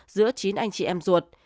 giữa chín anh chị em ruột